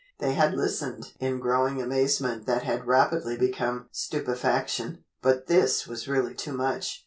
They had listened in growing amazement that had rapidly become stupefaction, but this was really too much.